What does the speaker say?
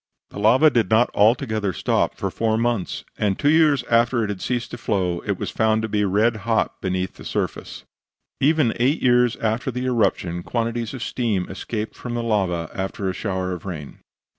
The lava did not altogether stop for four months, and two years after it had ceased to flow it was found to be red hot beneath the surface. Even eight years after the eruption quantities of steam escaped from the lava after a shower of rain.